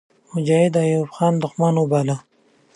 د مجاهد ایوب خان دښمن وباله.